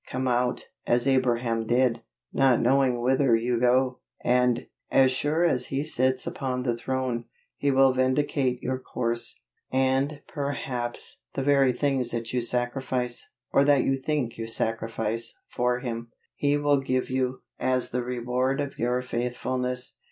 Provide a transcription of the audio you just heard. Come out, as Abraham did, not knowing whither you go; and, as sure as He sits upon the throne, He will vindicate your course, and, perhaps, the very things that you sacrifice, or that you think you sacrifice, for Him, He will give you, as the reward of your faithfulness.